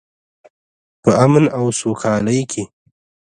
په امن او سوکالۍ کې.